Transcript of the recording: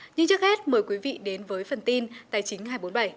nhưng trước hết mời quý vị đến với phần tin tài chính hai trăm bốn mươi bảy